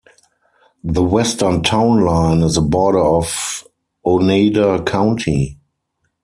The western town line is the border of Oneida County.